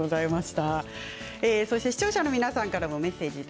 視聴者の皆さんからメッセージです。